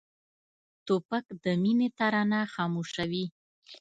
توپک د مینې ترانه خاموشوي.